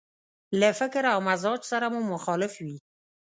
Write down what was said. له فکر او مزاج سره مو مخالف وي.